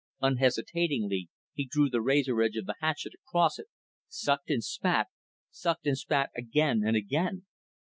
Unhesitatingly, he drew the razor edge of the hatchet across it, sucked and spat, sucked and spat again and again.